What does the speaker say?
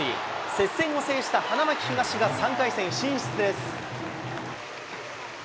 接戦を制した花巻東が３回戦進出です。